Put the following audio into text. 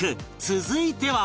続いては